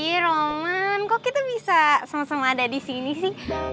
ih roman kok kita bisa sama sama ada disini sih